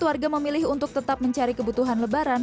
warga memilih untuk tetap mencari kebutuhan lebaran